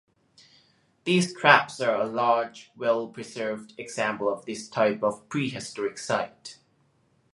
These traps are a large, well-preserved example of this type of prehistoric site.